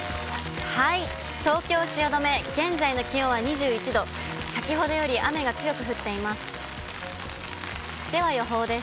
東京・汐留、現在の気温は２１度、先ほどより雨が強く降っています。